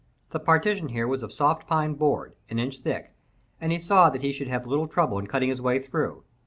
The partition here was of soft pine board, an inch thick, and he saw that he should have little trouble in cutting his way through.